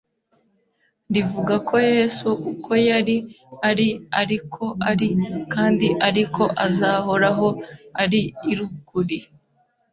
rivuga ko Yesu uko yari ari ariko ari kandi ariko azahoraho, ari ir’ukuri.